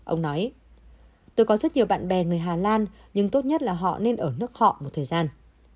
ông nói tôi có rất nhiều bạn bè người hà lan nhưng tốt nhất là họ nên ở nước họ một thời gian